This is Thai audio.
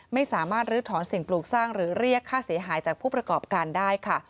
ไม่สามารถลื้อถอนสิ่งปลูกสร้างหรือเรียกค่าเสียหายจากผู้ประกอบการได้ค่ะ